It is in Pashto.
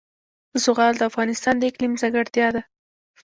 زغال د افغانستان د اقلیم ځانګړتیا ده.